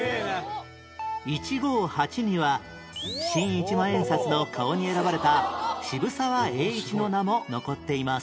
「一五八」には新一万円札の顔に選ばれた渋沢栄一の名も残っています